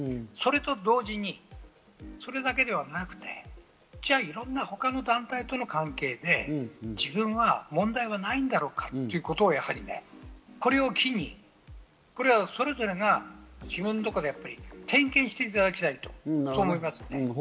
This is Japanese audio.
それから同時にそれだけではなくて、じゃあ、いろいろな他の団体との関係で自分は問題ないんだろうかということをやはりね、これを機に、それぞれが自分のところで点検していただきたい、そう思います。